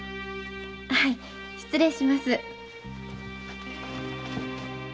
はい失礼します。